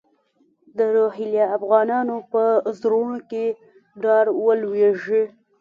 د روهیله افغانانو په زړونو کې ډار ولوېږي.